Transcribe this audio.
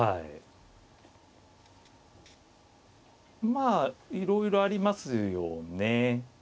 まあいろいろありますよね。